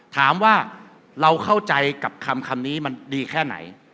ถามว่าเราเข้าใจกับคำนี้มันดีแค่ไหน